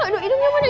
aduh idungnya mana